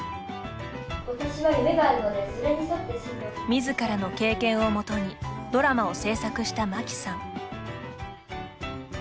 みずからの経験をもとにドラマを制作したマキさん。